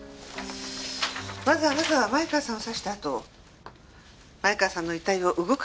まずあなたは前川さんを刺したあと前川さんの遺体を動かしてますね。